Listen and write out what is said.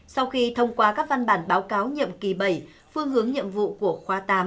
sau khi thông qua các văn bản báo cáo nhiệm kỳ bảy phương hướng nhiệm vụ của khoa tám